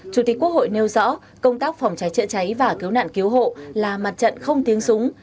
chủ tịch quốc hội nêu rõ công tác phòng cháy chữa cháy và cứu nạn cứu hộ là mặt trận không tiếng súng